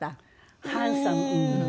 ハンサムうんうん。